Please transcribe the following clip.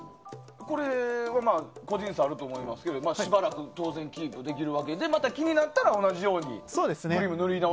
これ、個人差もあると思いますけどしばらくは、当然キープできてまた気になったら同じようにそうですね。